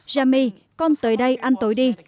jamie con tới đây ăn tối đi